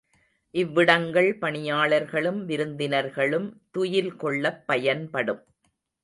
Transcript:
இவ்விடங்கள் பணியாளர்களும் விருந்தினர்களும் துயில்கொள்ளப் பயன்படும்.